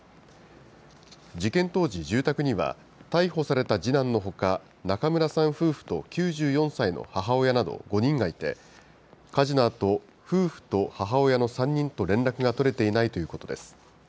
事件当時、住宅には逮捕された次男のほか、中村さん夫婦と９４歳の母親など５人がいて、火事のあと、夫婦と母親の３人と連絡が取れていないということです。